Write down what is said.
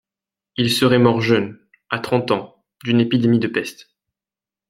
Il serait mort jeune, à trente ans, d'une épidémie de peste.